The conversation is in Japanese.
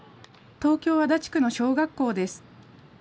東京・足立区の小学校です。